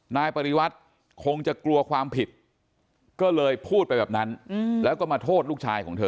นายปริวัติคงจะกลัวความผิดก็เลยพูดไปแบบนั้นแล้วก็มาโทษลูกชายของเธอ